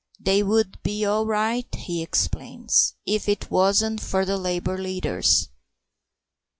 "They would be all right," he explains, "if it wasn't for the Labour leaders.